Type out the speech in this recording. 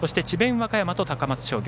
和歌山と高松商業。